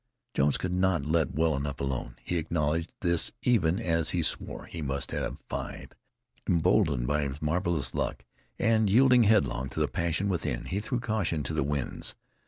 Jones could not let well enough alone; he acknowledged this even as he swore he must have five. Emboldened by his marvelous luck, and yielding headlong to the passion within, he threw caution to the winds.